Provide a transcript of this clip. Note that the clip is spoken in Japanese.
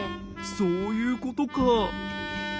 そういうことか。